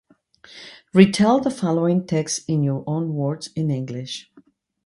Retell the following text in your own words in English.